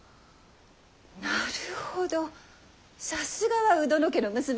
なるほどさすがは鵜殿家の娘じゃなあ。